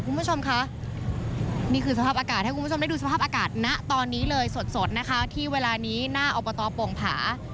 คุณผู้ชมคะนี่คือสภาพอากาศถ้าคุณผู้ชมได้ดูสภาพอากาศณะตอนนี้เลยสดที่เวลานี้ของนะอบตแป๋องผลิก